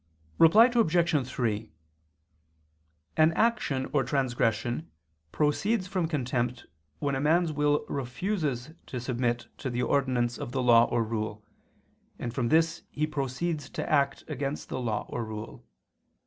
Reply Obj. 3: An action or transgression proceeds from contempt when a man's will refuses to submit to the ordinance of the law or rule, and from this he proceeds to act against the law or rule.